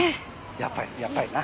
やっぱりやっぱりな。